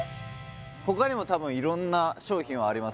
他にも多分色んな商品はあります